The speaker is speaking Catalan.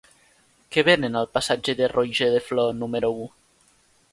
Què venen al passatge de Roger de Flor número u?